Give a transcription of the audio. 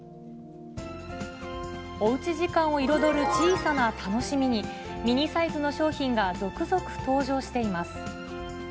おうち時間を彩る小さな楽しみに、ミニサイズの商品が続々登場しています。